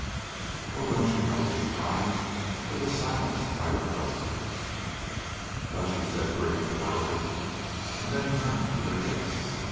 "Oh! don't you know " she cried; but was silenced by her husband. "Hush," he said peremptorily, then turned to their guests.